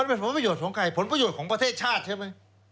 เป็นผลประโยชน์ของใครผลประโยชน์ของประเทศชาติใช่ไหม